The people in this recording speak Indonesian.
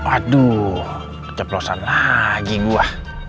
aduh keceplosan lagi gua